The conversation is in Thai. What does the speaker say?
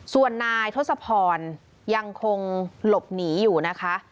ส่วนนายทศพรยังคงหลบหนีอยู่นะคะ